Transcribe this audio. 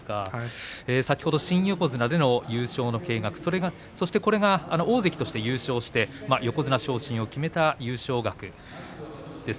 先ほど新横綱での優勝の掲額そして大関として優勝して横綱昇進を決めた優勝額。